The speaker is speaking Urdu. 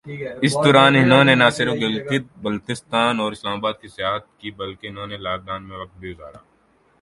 اس دوران انھوں نے نہ صرف گلگت بلستان اور اسلام آباد کی سیاحت کی بلکہ انھوں نے لاک ڈاون میں وقت بھی گزرا۔